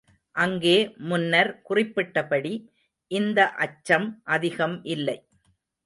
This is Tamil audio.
அங்கே முன்னர் குறிப்பிட்டபடி இந்த அச்சம் அதிகம் இல்லை.